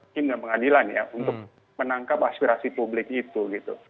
tim dan pengadilan ya untuk menangkap aspirasi publik itu gitu